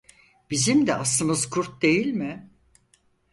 Bizim de aslımız kurt değil mi?